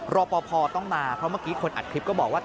รอปภต้องมาเพราะเมื่อกี้คนอัดคลิปก็บอกว่า